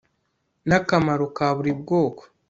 na kamaro ka buri bwoko